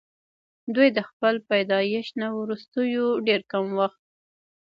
دوي د خپل پيدائش نه وروستو ډېر کم وخت